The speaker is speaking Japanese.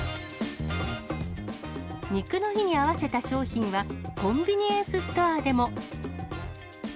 肉の日に合わせた商品はコンビニエンスストアでも。